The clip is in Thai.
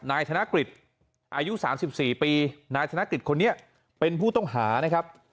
นายกฤษอายุ๓๔ปีนายธนกฤษคนนี้เป็นผู้ต้องหานะครับ